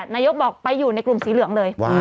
นายกบอกไปอยู่ในกลุ่มสีเหลืองเลย